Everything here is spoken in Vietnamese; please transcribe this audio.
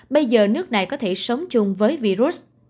bây giờ nước này có thể sống chung với virus